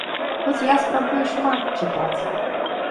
Хоць я спрабую шмат чытаць.